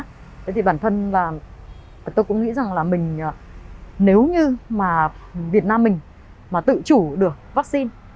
thế thì bản thân là tôi cũng nghĩ rằng là mình nếu như mà việt nam mình mà tự chủ được vaccine